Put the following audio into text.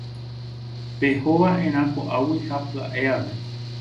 Pehóva'erã ko'águi ha pya'e ave.